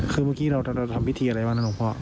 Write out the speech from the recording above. คือเมื่อกี้เราทำพิธีอะไรบ้างนะหลวงพ่อ